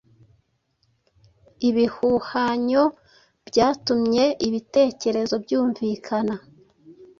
ibihuhanyo byatumye ibitekerezo byumvikana